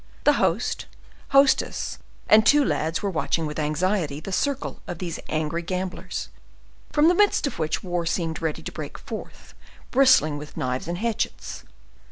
The host, hostess, and two lads were watching with anxiety the circle of these angry gamblers, from the midst of which war seemed ready to break forth, bristling with knives and hatchets.